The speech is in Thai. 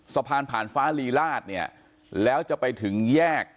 สะพานผ่านฟ้าลีลาศเนี่ยแล้วจะไปถึงแยก